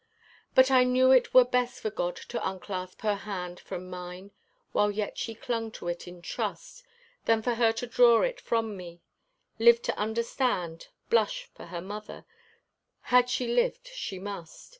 But I knew it were best for God to unclasp her hand From mine, while yet she clung to it in trust, Than for her to draw it from me, live to understand, Blush for her mother had she lived she must.